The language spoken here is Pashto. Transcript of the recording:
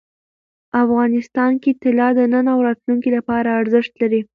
افغانستان کې طلا د نن او راتلونکي لپاره ارزښت لري.